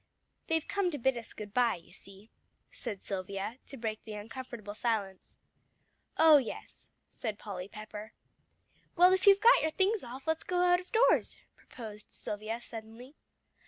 "They've come to bid us good bye, you see," said Silvia, to break the uncomfortable silence. "Oh yes," said Polly Pepper. "Well, if you've got your things off, let's go out of doors," proposed Silvia suddenly.